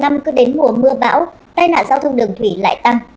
cứ đến mùa mưa bão tai nạn giao thông đường thủy lại tăng